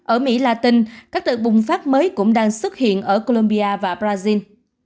ở mỹ latin các đợt bùng phát mới cũng đang xuất hiện ở colombia và brazil